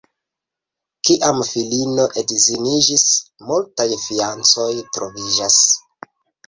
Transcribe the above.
Kiam filino edziniĝis, multaj fianĉoj troviĝas.